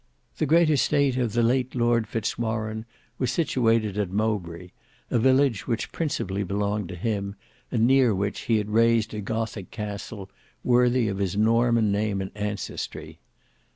The great estate of the late Lord Fitz Warene was situated at Mowbray, a village which principally belonged to him, and near which he had raised a gothic castle, worthy of his Norman name and ancestry.